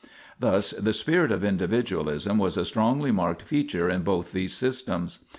1 Thus the spirit of individualism was a strongly marked feature in both these systems.